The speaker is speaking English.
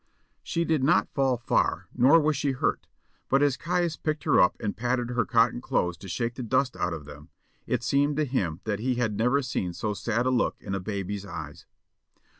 She did not fall far, nor was she hurt; but as Caius picked her up and patted her cotton clothes to shake the dust out of them, it seemed to him that he had never seen so sad a look in a baby's eyes.